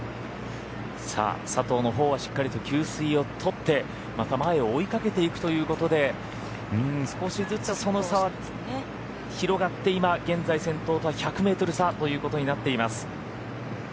佐藤のほうはしっかりと給水をとってまた前を追いかけていくということで少しずつその差は広がって現在先頭とは１００ｍ差ということになっています。